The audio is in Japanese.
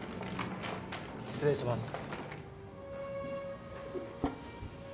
失礼します。